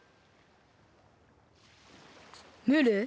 ムール。